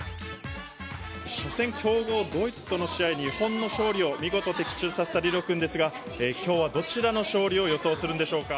初戦、強豪・ドイツとの試合に日本の勝利を見事的中させたリロ君ですが今日はどちらの勝利を予想するんでしょうか。